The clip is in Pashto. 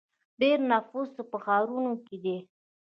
ډیری نفوس یې په ښارونو کې دی.